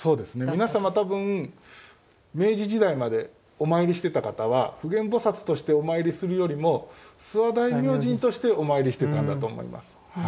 皆様多分明治時代までお参りしていた方は普賢菩としてお参りするよりも諏訪大明神としてお参りしていたんだと思います。